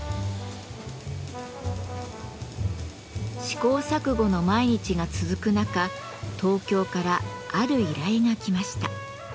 試行錯誤の毎日が続く中東京からある依頼が来ました。